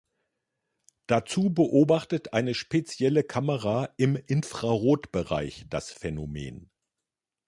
Dazu beobachtet eine spezielle Kamera im Infrarotbereich das Phänomen.